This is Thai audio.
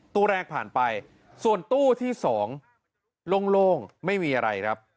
ตู้แรกผ่านไปส่วนตู้ที่๒โล่งไม่มีอะไรครับ